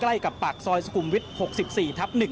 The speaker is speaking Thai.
ใกล้กับปากซอยสุขุมวิทย์๖๔ทับ๑